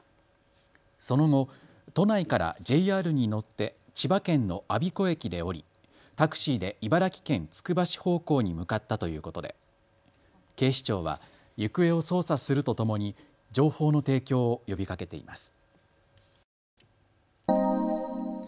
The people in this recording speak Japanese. その後、都内からＪＲに乗って千葉県の我孫子駅で降りタクシーで茨城県つくば市方向に向かったということで警視庁は行方を捜査するととともに情報の提供を呼びかけています。